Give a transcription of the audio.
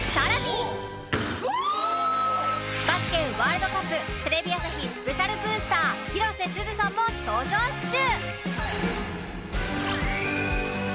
バスケワールドカップテレビ朝日スペシャルブースター広瀬すずさんも登場っシュ！